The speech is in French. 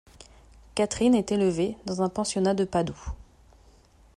Catherine est élevée dans un pensionnat de Padoue.